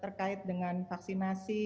terkait dengan vaksinasi